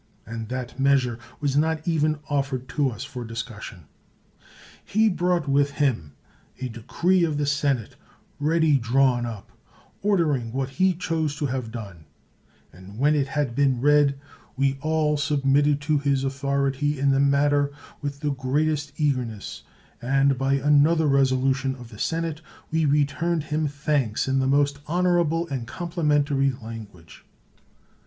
And that measure was not even offered to us for discussion. He brought with him a decree of the senate, ready drawn up, ordering what he chose to have done ; and when it had been read, we all submitted to his authority in the matter with the greatest eagerness ; and, by another resolution of the sen ate, we returned him thanks in the most honor able and complimentary language.